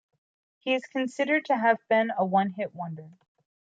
He is considered to have been a one-hit wonder.